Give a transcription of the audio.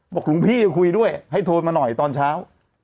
หลวงพี่คุยด้วยให้โทรมาหน่อยตอนเช้า